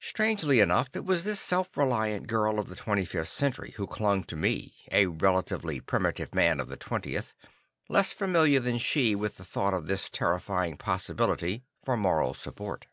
Strangely enough, it was this self reliant girl of the 25th Century, who clung to me, a relatively primitive man of the 20th, less familiar than she with the thought of this terrifying possibility, for moral support.